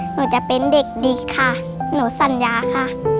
หนูจะเป็นเด็กดีค่ะหนูสัญญาค่ะ